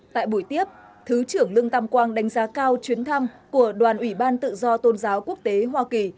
tại buổi tiếp thứ trưởng lương tam quang đánh giá cao chuyến thăm của đoàn ủy ban tự do tôn giáo quốc tế hoa kỳ